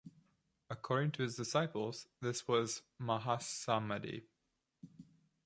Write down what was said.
According to his disciples, this was "mahasamadhi".